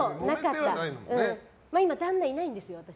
今、旦那いないんですよ、私。